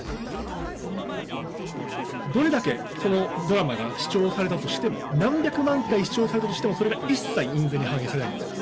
どれだけそのドラマが視聴されたとしても、何百万回視聴されたとしても、それが一切印税に反映されないんです。